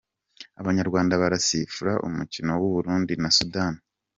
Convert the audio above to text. Abanyarwanda barasifura umukino w’u Burundi na Sudan.